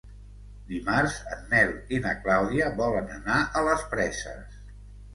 Dimarts en Nel i na Clàudia volen anar a les Preses.